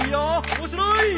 面白い！